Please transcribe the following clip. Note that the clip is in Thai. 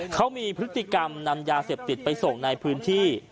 เขามีพฤติกรรมนำยาเสพติดไปส่งในพื้นที่